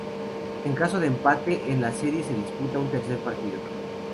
En caso de empate en la serie se disputaría un tercer partido.